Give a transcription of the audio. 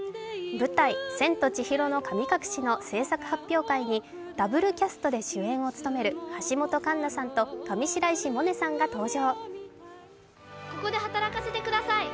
舞台「千と千尋の神隠し」の製作発表会にダブルキャストで主演を務める橋本環奈さんと上白石萌音さんが登場。